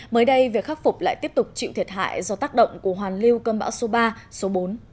mới đây việc khắc phục lại tiếp tục chịu thiệt hại do tác động của hoàn lưu cơn bão số ba số bốn